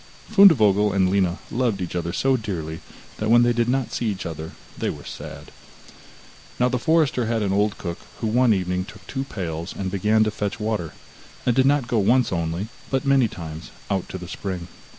Fundevogel and Lina loved each other so dearly that when they did not see each other they were sad. Now the forester had an old cook, who one evening took two pails and began to fetch water, and did not go once only, but many times, out to the spring.